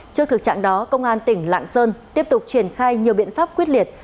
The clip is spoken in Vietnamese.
trước thực trạng đó công an tỉnh lạng sơn tiếp tục triển khai nhiều biện pháp quyết liệt